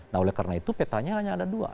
nah oleh karena itu petanya hanya ada dua